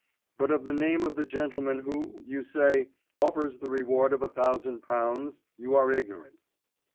"But of the name of the gentleman who, you say, offers the reward of a thousand pounds, you are ignorant."